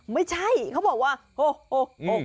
ไม่ใช่เขาบอกว่าโฮ